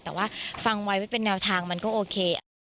แต่ว่าฟังไว้ไม่เป็นแนวทางมันก็โอเค